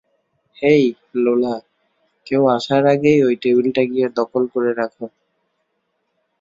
হেই, Lola, কেউ আসার আগেই ঐ টেবিলটা গিয়ে দখল করে রাখ।